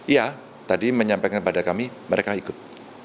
iya tadi menyampaikan kepada kami mereka ikut